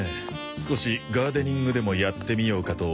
少しガーデニングでもやってみようかと思いまして。